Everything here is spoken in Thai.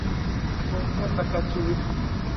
กรุงเทพประกันชีวิต